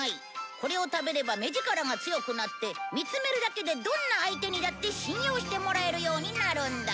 これを食べれば目ヂカラが強くなって見つめるだけでどんな相手にだって信用してもらえるようになるんだ。